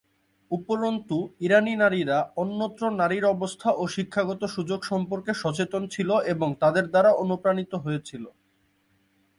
উপরন্তু, ইরানি নারীরা অন্যত্র নারীর অবস্থা ও শিক্ষাগত সুযোগ সম্পর্কে সচেতন ছিল এবং তাদের দ্বারা অনুপ্রাণিত হয়েছিল।